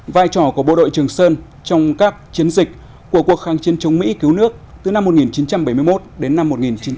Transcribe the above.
vai trò của bộ đội trường sơn trong các chiến dịch của cuộc kháng chiến chống mỹ cứu nước từ năm một nghìn chín trăm bảy mươi một đến năm một nghìn chín trăm bảy mươi